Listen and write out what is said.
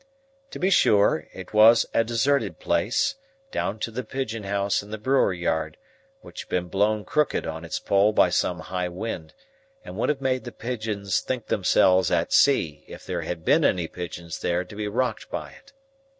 To be sure, it was a deserted place, down to the pigeon house in the brewery yard, which had been blown crooked on its pole by some high wind, and would have made the pigeons think themselves at sea, if there had been any pigeons there to be rocked by it.